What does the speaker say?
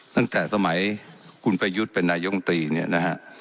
ตั้งแต่สมัยคุณประยุทธ์เป็นนายมตรีเนี่ยนะฮะ